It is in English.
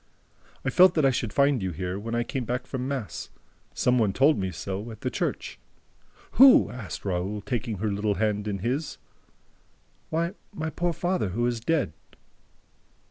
"I felt that I should find you here, when I came back from mass. Some one told me so, at the church." "Who?" asked Raoul, taking her little hand in his. "Why, my poor father, who is dead."